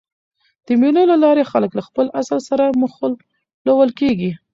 د مېلو له لاري خلک له خپل اصل سره مښلول کېږي.